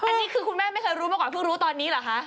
อันนี้คือคุณแม่ไม่เคยรู้มาก่อนเพิ่งรู้ตอนนี้เหรอคะ